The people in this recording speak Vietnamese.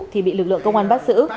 thì bị lực lượng công an bắt giữ